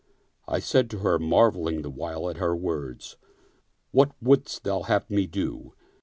I said to her, marveling the while at her words, " What wouldst thou have me do?"